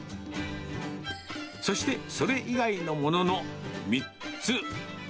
そして、それ以外のものの３つ。